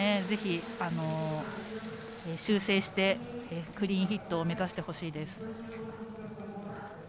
ぜひ修正してクリーンヒットを目指してほしいです。